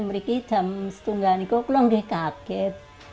beri jam setengah ini kalau tidak kaget